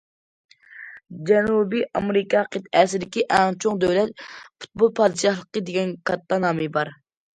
جەنۇبىي ئامېرىكا قىتئەسىدىكى ئەڭ چوڭ دۆلەت،« پۇتبول پادىشاھلىقى» دېگەن كاتتا نامى بار.